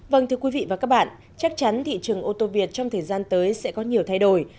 vâng thưa quý vị và các bạn chắc chắn thị trường ô tô việt trong thời gian tới sẽ có nhiều thay đổi